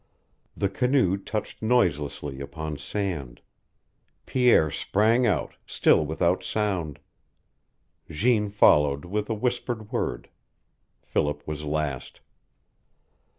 The canoe touched noiselessly upon sand. Pierre sprang out, still without sound. Jeanne followed, with a whispered word. Philip was last.